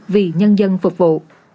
vì nhân dân phục vụ